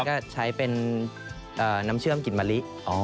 ก็ใช้เป็นน้ำเชื่อมกลิ่นมะลิ